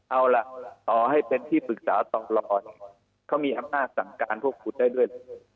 เอาล่ะต่อให้เป็นที่ปรึกษาตรเขามีอำนาจสั่งการพวกคุณได้ด้วยเลย